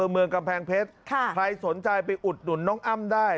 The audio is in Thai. เมืองกำแพงเพชรใครสนใจไปอุดหนุนน้องอ้ำได้